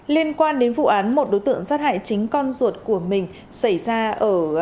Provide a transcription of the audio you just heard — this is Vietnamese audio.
liên quan đến vụ án một đối tượng sát hại chính con ruột của mình xảy ra ở